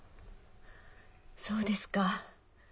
そうですか。